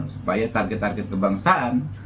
supaya target target kebangsaan